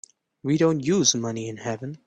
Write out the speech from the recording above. We don't use money in heaven.